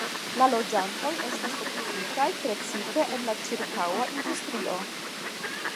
La loĝantoj estas okupitaj precipe en la ĉirkaŭa industrio.